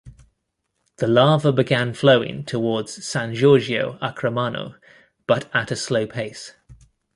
The lava began flowing towards San Giorgio a Cremano, but at a slow pace.